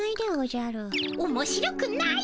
おもしろくない？